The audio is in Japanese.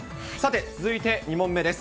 続いて２問目です。